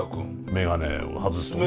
眼鏡を外すとね。